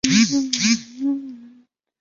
特里试着成为派对的核心人物。